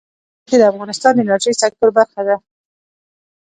د ریګ دښتې د افغانستان د انرژۍ سکتور برخه ده.